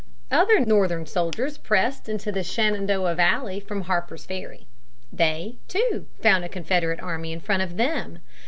Other Northern soldiers pressed into the Shenandoah Valley from Harper's Ferry. They, too, found a Confederate army in front of them.